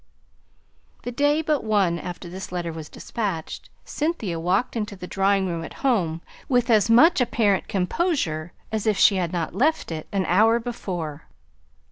The day but one after this letter was despatched, Cynthia walked into the drawing room at home with as much apparent composure as if she had left it not an hour before.